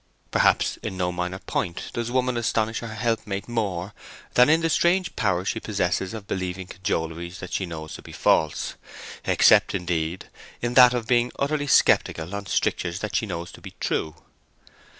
Perhaps in no minor point does woman astonish her helpmate more than in the strange power she possesses of believing cajoleries that she knows to be false—except, indeed, in that of being utterly sceptical on strictures that she knows to be true.